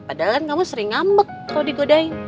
padahal kan kamu sering ngambek kalau digodain